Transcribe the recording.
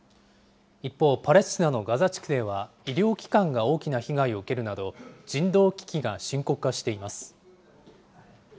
一方、パレスチナのガザ地区では、医療機関が大きな被害を受けるなど、人道危機が深刻化しています。